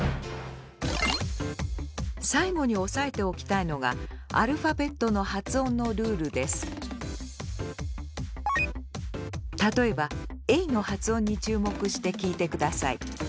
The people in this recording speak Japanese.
最後に押さえておきたいのが例えばａの発音に注目して聞いてください。